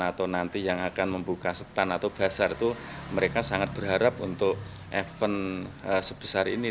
atau nanti yang akan membuka setan atau basar itu mereka sangat berharap untuk event sebesar ini